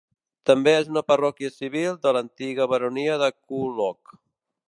També és una parròquia civil de l'antiga baronia de Coolock.